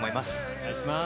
お願いします。